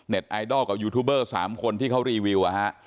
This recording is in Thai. ไอดอลกับยูทูบเบอร์๓คนที่เขารีวิว